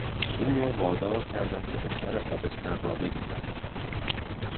او را وادار کردند که دختر آبستن را بگیرد.